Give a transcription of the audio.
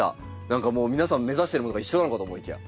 何かもう皆さん目指してるものが一緒なのかと思いきや。